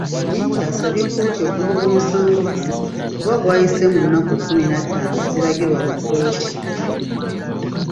Byenkya asabye kkooti okugoba okusaba kuno kuba kwayise mu nnaku kkumi na ttaano eziragirwa mu mateeka.